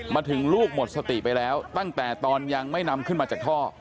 มาถึงลูกหมดสติไปแล้วตั้งแต่ตอนยังไม่นำขึ้นมาจากท่อ